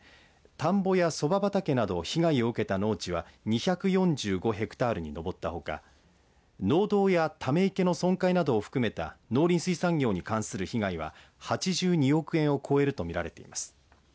田んぼやそば畑など被害を受けた農地は２４５ヘクタールに上ったほか農道やため池の損壊などを含めた農林水産業に関する被害は８２億円を超えると見られています。